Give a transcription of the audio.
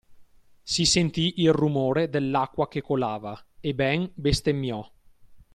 Si sentì il rumore dell'acqua che colava e Ben bestemmiò.